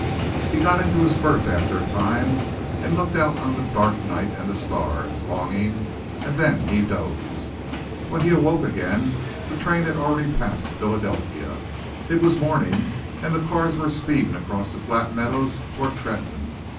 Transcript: He got into his berth after a time and looked out on the dark night and the stars, longing, and then he dozed. When he awoke again the train had already passed Philadelphia. It was morning and the cars were speeding across the flat meadows toward Trenton.